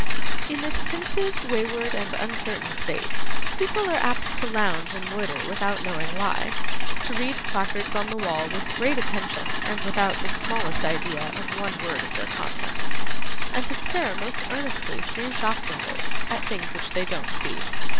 In this pensive, wayward, and uncertain state, people are apt to lounge and loiter without knowing why, to read placards on the walls with great attention and without the smallest idea of one word of their contents, and to stare most earnestly through shop windows at things which they don't see.